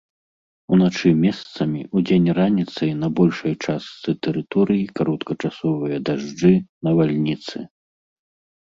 Уначы месцамі, удзень і раніцай на большай частцы тэрыторыі кароткачасовыя дажджы, навальніцы.